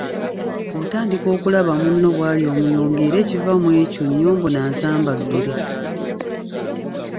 Otandika okulaba munno bw'ali omuyombi era ekiva mu ekyo nnyombo na nsambaggere.